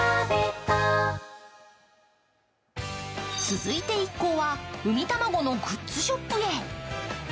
続いて一行はうみたまごのグッズショップへ。